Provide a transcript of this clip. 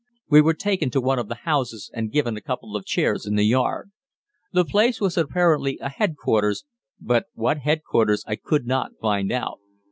We were taken to one of the houses and given a couple of chairs in the yard. The place was apparently an H.Q., but what H.Q. I could not find out.